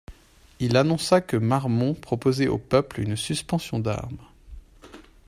Il annonça que Marmont proposait au peuple une suspension d'armes.